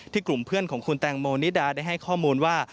กลุ่มเพื่อนของคุณแตงโมนิดาได้ให้ข้อมูลว่า